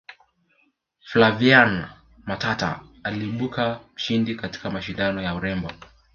flaviana matata aliibuka mshindi katika mashindano ya urembo